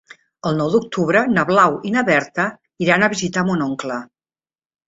El nou d'octubre na Blau i na Berta iran a visitar mon oncle.